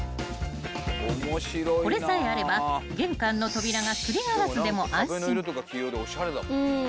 ［これさえあれば玄関の扉がすりガラスでも安心］